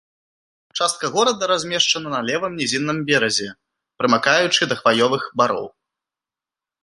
Частка горада размешчана на левым нізінным беразе, прымыкаючы да хваёвых бароў.